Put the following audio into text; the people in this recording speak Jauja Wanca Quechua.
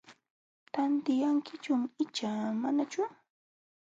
¿Tantiyankichum icha manachu?